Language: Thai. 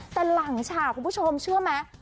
แต่หลังฉากคุณผู้ชมเชื่อไหม